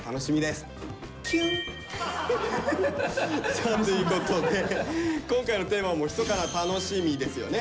さあということで今回のテーマも「ひそかな楽しみ」ですよね。